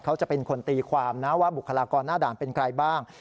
เขาจะเป็นคนตีความนะว่าบุคลากรหน้าด่านเป็นใครบ้าง